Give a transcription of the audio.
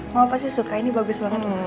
mama pasti suka ini bagus banget